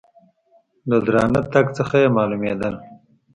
له درانه تګ څخه یې مالومېدل .